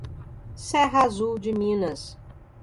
Serra Azul de Minas